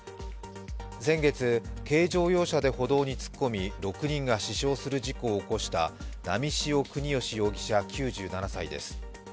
先月、軽乗用車で歩道に突っ込み、６人が死傷する事故を起こした波汐國芳容疑者９７歳です。